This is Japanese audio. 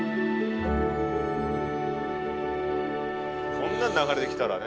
こんなん流れてきたらね。